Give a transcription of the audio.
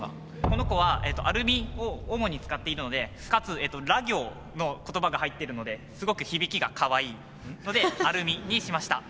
この子はアルミを主に使っているのでかつら行の言葉が入ってるのですごく響きがかわいいので「あるみ」にしました。